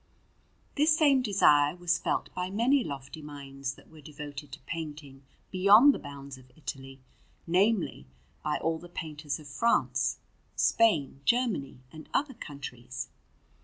This same desire was felt by many lofty minds that were devoted to painting beyond the bounds of Italy namely, by all the painters of France, Spain, Germany, and other countries.